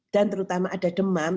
dan terutama ada demam